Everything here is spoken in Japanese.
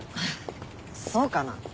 そうかな？